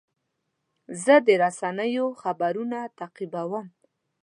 زه د رسنیو خبرونه تعقیبوم.